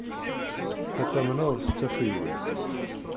Tattamneḍ s tafeywin?